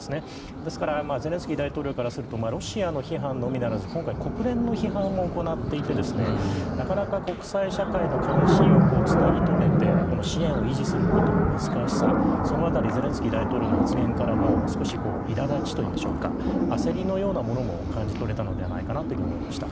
ですからゼレンスキー大統領からするとロシアの批判のみならず今回、国連の批判も行っていてなかなか国際社会の関心をつなぎとめて支援を維持することの難しさその辺りゼレンスキー大統領の発言からも少し、いら立ちといいましょうか焦りのようなものも感じ取れたのではないかと思いました。